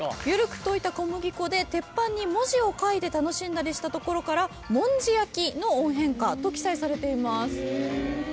「ゆるく溶いた小麦粉で鉄板に文字を書いて楽しんだりしたところから『文字焼き』の音変化」と記載されています。